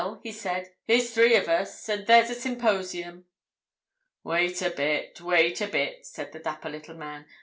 he said, "Here's three of us. And there's a symposium." "Wait a bit, wait a bit," said the dapper little man.